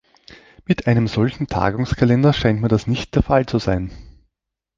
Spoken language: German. Mit einem solchen Tagungskalender scheint mir das nicht der Fall zu sein.